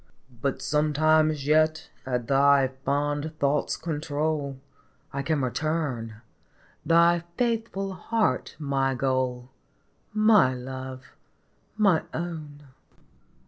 But sometimes yet at thy fond thought's control I can return, thy faithful heart my goal, My Love, my Own